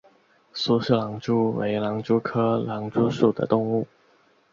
苏氏狼蛛为狼蛛科狼蛛属的动物。